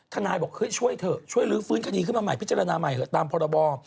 นายบอกเฮ้ยช่วยเถอะช่วยลื้อฟื้นคดีขึ้นมาใหม่พิจารณาใหม่เถอะตามพรบ